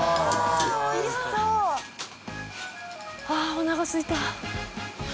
△おなかすいた。